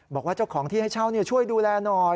บอกว่าเจ้าของที่ให้เช่าช่วยดูแลหน่อย